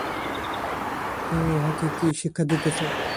তুমি উহাকে কী শিক্ষা দিতেছ?